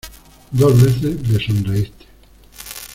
dos veces le sonreíste...